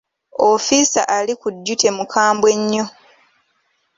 Ofiisa ali ku duty mukambwe nnyo.